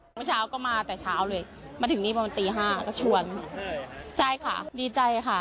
เมื่อเช้าก็มาแต่เช้าเลยมาถึงนี่ประมาณตีห้าก็ชวนใช่ค่ะดีใจค่ะ